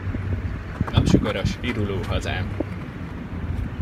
Napsugaras, viruló hazám!